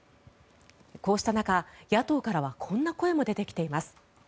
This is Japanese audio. こうした中、野党からはこんな声も出てきています。